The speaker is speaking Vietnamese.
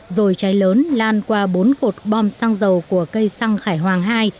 rồi cháy lớn lan qua bốn cột bom xăng dầu của cây xăng khải hoàng hai